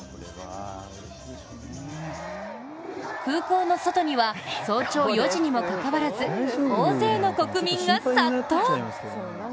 空港の外には、早朝４時にもかかわらず、大勢の国民が殺到。